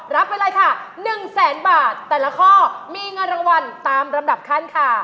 รับไปเลยค่ะ๑แสนบาทแต่ละข้อมีเงินรางวัลตามลำดับขั้นค่ะ